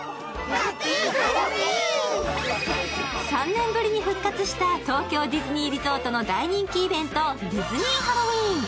３年ぶりに復活した東京ディズニーリゾートのディズニー・ハロウィーン。